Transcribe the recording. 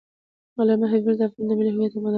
علامه حبیبي د افغانانو د ملي هویت مدافع و.